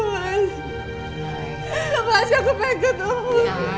mas aku pengen ketemu